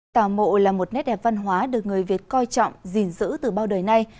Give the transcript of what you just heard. tàu mộ là một nét đẹp văn hóa được người việt coi trọng dình dữ từ bao đời nay